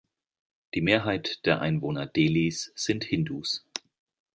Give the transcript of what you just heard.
Die Mehrheit der Einwohner Delhis sind Hindus.